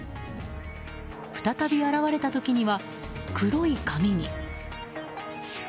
再び現れた時には黒い髪に。